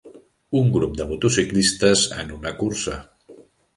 Un grup de motociclistes en una cursa.